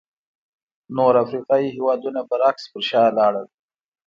نور افریقایي هېوادونه برعکس پر شا لاړل.